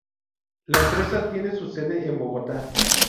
La empresa tiene su sede en Bogotá.